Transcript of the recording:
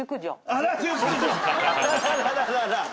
あららららら。